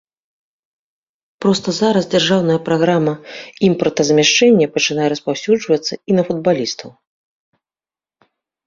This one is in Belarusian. Проста зараз дзяржаўная праграма імпартазамяшчэння пачынае распаўсюджвацца і на футбалістаў.